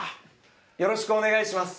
よろしくお願いします。